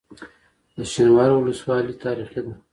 د شینوارو ولسوالۍ تاریخي ده